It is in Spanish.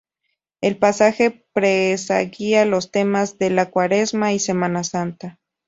El pasaje presagia los temas de la Cuaresma y Semana Santa.